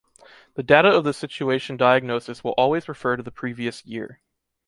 The data of the situation diagnosis will always refer to the previous year.